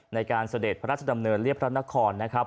ในการเสด็จพระราชดำเนินเรียบพระรัชนาคอนนะครับ